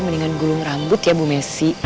mendingan gulung rambut ya bu messi